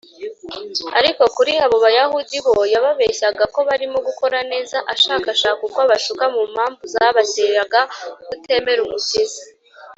ariko kuri abo bayahudi bo, yababeshyaga ko barimo gukora neza, ashakashaka uko abashuka mu mpamvu zabateraga kutemera umukiza